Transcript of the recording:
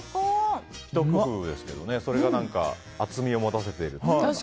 ひと工夫ですけどそれが厚みを持たせているという。